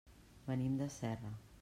Venim de Serra.